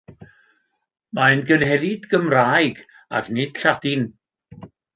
Mae'n gynhenid Gymraeg ac nid Lladin.